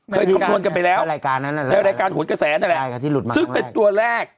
เคยคำนวณกันไปแล้วในรายการหวุดกระแสนั่นแหละซึ่งเป็นตัวแรก